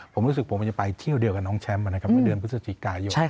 ผมรู้สึกผมมันจะไปเที่ยวเดียวกับน้องแชมป์เมื่อเดือนพฤศจิกายน